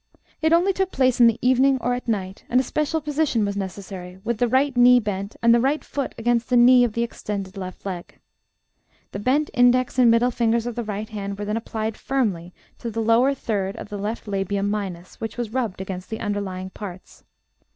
It only took place in the evening, or at night, and a special position was necessary, with the right knee bent, and the right foot against the knee of the extended left leg. The bent index and middle fingers of the right hand were then applied firmly to the lower third of the left labium minus, which was rubbed against the underlying parts.